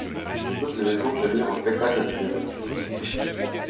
Toutes les maisons gémirent au spectacle du désastre.